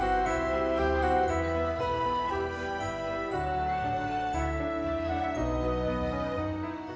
dia bisa jauh lebih baik